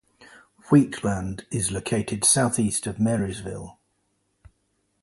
Wheatland is located southeast of Marysville.